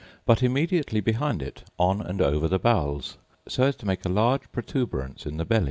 but immediately behind it, on and over the bowels, so as to make a large protuberance in the belly.